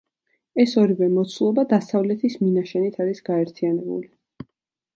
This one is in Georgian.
ეს ორივე მოცულობა დასავლეთის მინაშენით არის გაერთიანებული.